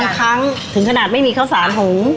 เขาให้วันนึงประมาณ๒๐๐กว่าบาท